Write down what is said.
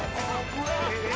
えっ！